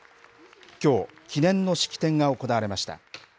きょう、記念の式典が行われました。